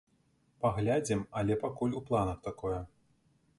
Паглядзім, але пакуль у планах такое.